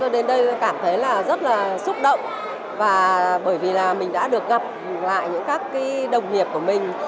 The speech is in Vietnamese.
đến đây cảm thấy là rất là xúc động và bởi vì là mình đã được gặp lại những các đồng nghiệp của mình